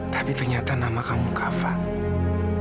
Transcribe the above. tapi ternyata nama kamu cover